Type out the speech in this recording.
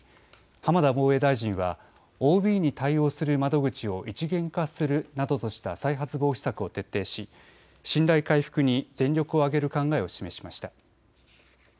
浜田防衛大臣はＯＢに対応する窓口を一元化するなどとした再発防止策を徹底し信頼回復に全力を挙げる考えを示しました。